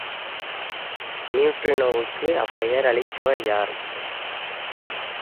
நியூட்ரினோவுக்கு அப்பெயர் அளித்தவர் யார்?